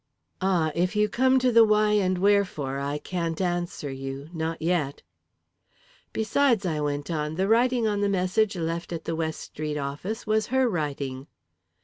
"Ah, if you come to the why and wherefore, I can't answer you not yet." "Besides," I went on, "the writing on the message left at the West Street office was her writing."